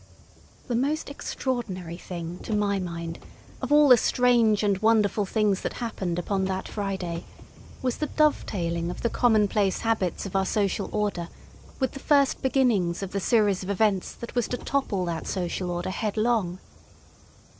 The most extraordinary thing to my mind, of all the strange and wonderful things that happened upon that Friday, was the dovetailing of the commonplace habits of our social order with the first beginnings of the series of events that was to topple that social order headlong.